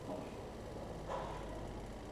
El campeonato se jugó en la subsede de Funchal.